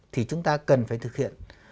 thì chúng ta cần phải thực hiện